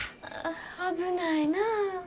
危ないなぁ。